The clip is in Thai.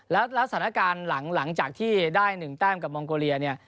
แล้วสถานการณ์หลังจากที่ได้๑แต้มกับมองโกเลียเนี่ย